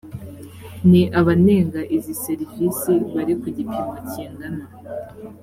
ni abanenga izi serivisi bari ku gipimo kingana